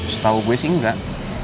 setau gue sih enggak